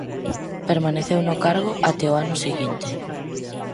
Permaneceu no cargo até o ano seguinte.